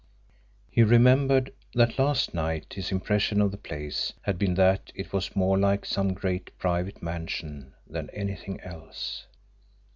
He remembered that last night his impression of the place had been that it was more like some great private mansion than anything else.